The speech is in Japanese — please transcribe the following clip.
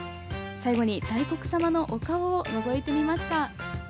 最後に大国さまのお顔をのぞいてみました。